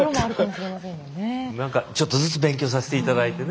なんかちょっとずつ勉強させて頂いてね